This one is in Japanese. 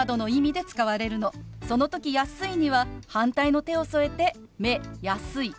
その時「安い」には反対の手を添えて「目安い」。